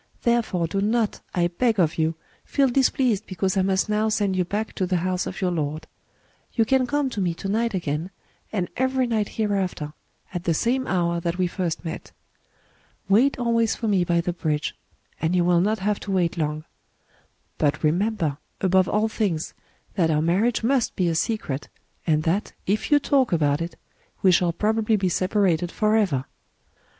Therefore do not, I beg of you, feel displeased because I must now send you back to the house of your lord. You can come to me to night again, and every night here after, at the same hour that we first met. Wait always for me by the bridge; and you will not have to wait long. But remember, above all things, that our marriage must be a secret, and that, if you talk about it, we shall probably be separated forever.